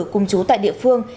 cùng chú tại địa phương